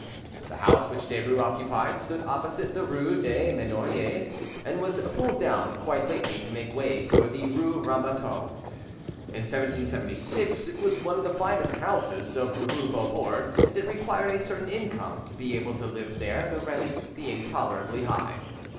The house which Derues occupied stood opposite the rue des Menoriers, and was pulled down quite lately to make way for the rue Rambuteau. In 1776 it was one of the finest houses of the rue Beaubourg, and it required a certain income to be able to live there, the rents being tolerably high.